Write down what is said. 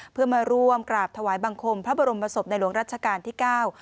เพื่อมาร่วมกราบถวายบังคมพระบรมศพในหลวงรัชกาลที่เก้า